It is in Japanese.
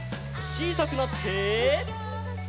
ちいさくなって。